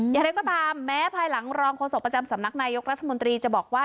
อย่างไรก็ตามแม้ภายหลังรองโฆษกประจำสำนักนายกรัฐมนตรีจะบอกว่า